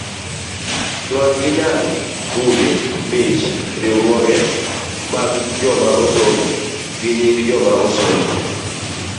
lony gi nyalo, buge, mich, riwruoge mag joma osomo, gi nying joma osomo